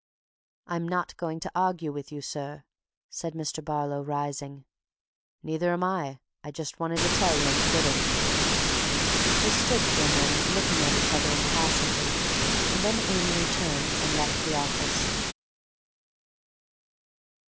"I'm not going to argue with you, sir," said Mr. Barlow rising. "Neither am I. I just wanted to tell you I'm quitting." They stood for a moment looking at each other impassively and then Amory turned and left the office.